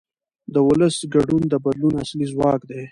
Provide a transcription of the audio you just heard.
د ولس ګډون د بدلون اصلي ځواک دی